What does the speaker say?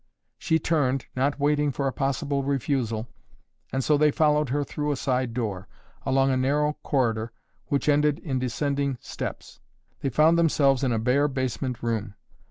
She turned, not waiting for a possible refusal and so they followed her through a side door, along a narrow corridor which ended in descending steps. They found themselves in a bare basement room.